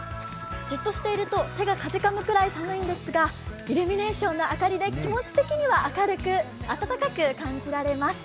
じっとしていると、手がかじかむぐらい寒いんですが、イルミネーションの明かりで気持ち的には暖かく感じられます。